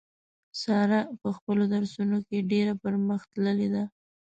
ساره په خپلو درسو نو کې ډېره پر مخ تللې ده.